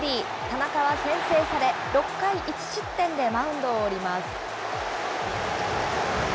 田中は先制され、６回１失点でマウンドを降ります。